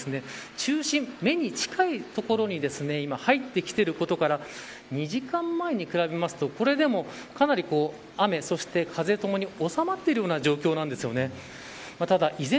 今、台風１４号の中心目に近いところに今、入ってきていることから２時間前に比べますとこれでもかなり雨そして風ともに収まっているような状況なんです。